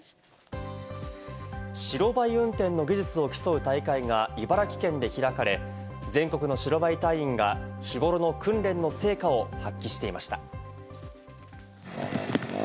白バイ運転の技術を競う大会が茨城県で開かれ、全国の白バイ隊員が日頃の訓練の成果を発揮していました。